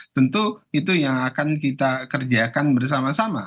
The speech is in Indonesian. tentu itu yang akan kita kerjakan bersama sama